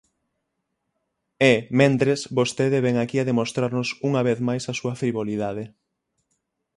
E, mentres, vostede vén aquí a demostrarnos unha vez máis a súa frivolidade.